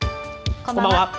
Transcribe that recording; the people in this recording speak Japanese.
こんばんは。